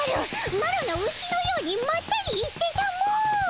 マロのウシのようにまったり行ってたも！